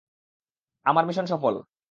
আমার মিশন সফল।